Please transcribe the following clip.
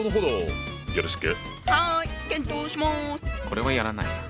これはやらないな。